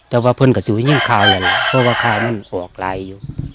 แต่ว่าเพื่อนก็จะหุ้ยยิ่งข้าวนี่ล่ะเพราะว่าข้ามันออกไหลอยู่